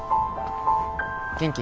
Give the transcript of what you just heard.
元気？